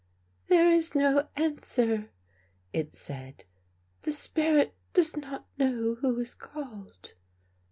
" There is no answer," it said. " The spirit does not know who is called."